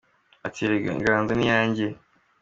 Ati “ Erega inganzo ni iyanjye.